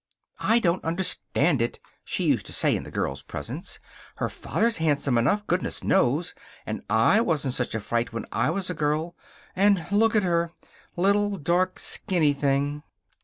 "I don't understand it," she used to say in the child's presence. "Her father's handsome enough, goodness knows; and I wasn't such a fright when I was a girl. And look at her! Little dark skinny thing."